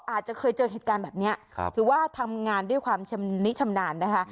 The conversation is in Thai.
อาจจะเคยเจอเหตุการณ์แบบนี้ถือว่าทำงานด้วยความชำนิชำนาญนะคะ